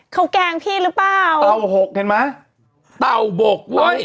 เขาแกล้งพี่หรือเปล่าเต่าหกเห็นไหมเต่าบกเว้ย